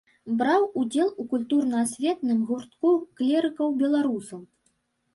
Браў удзел у культурна-асветным гуртку клерыкаў-беларусаў.